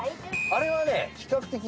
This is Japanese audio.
あれはね